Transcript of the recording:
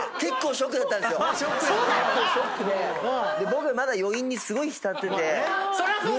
僕まだ余韻にすごい浸ってて。